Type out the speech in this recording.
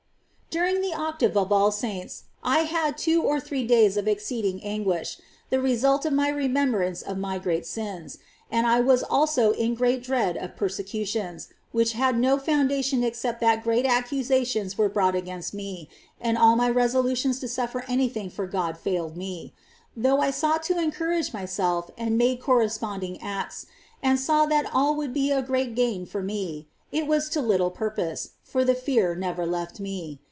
21. During the Octave of All Saints,^ I had two or three days of exceeding anguish, the result of my remembrance of my great sins, and I was also in great dread of persecutions, which had no foundation except that great accusations were brought against me, and all my resolutions to suffer any thing for God failed me : though I sought to encourage myself, and made corresponding acts, and saw that all would be a great gain for me, it was to little purpose, for the fear never left me.